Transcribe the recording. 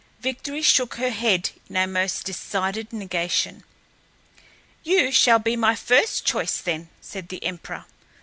Victory shook her head in a most decided negation. "You shall be my first choice, then," said the emperor.